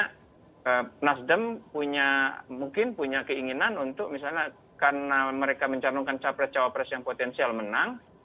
karena nasdem punya mungkin punya keinginan untuk misalnya karena mereka mencalonkan capres cawapres yang potensial menang